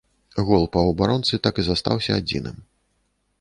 Гол паўабаронцы так і застаўся адзіным.